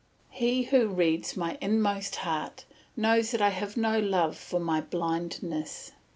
He who reads my inmost heart knows that I have no love for my blindness.